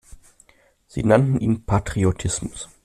Sie nannten ihn Patriotismus.